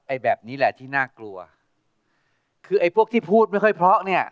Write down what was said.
แบบนี้แหละที่น่ากลัวคือไอ้พวกที่พูดไม่ค่อยเพราะเนี่ย